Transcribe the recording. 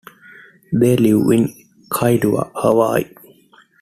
They live in Kailua, Hawaii.